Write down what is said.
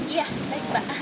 iya baik mbak